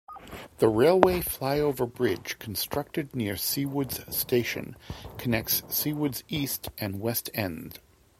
A railway flyover bridge constructed near Seawoods station connects Seawoods East and West end.